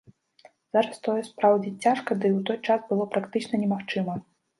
Зараз тое спраўдзіць цяжка, ды і ў той час было практычна немагчыма.